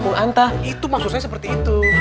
itu maksudnya seperti itu